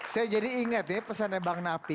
saya jadi ingat ya pesannya bang nafi